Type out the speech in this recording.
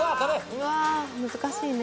「うわ難しいね」